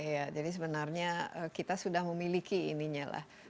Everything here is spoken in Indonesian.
iya jadi sebenarnya kita sudah memiliki ininya lah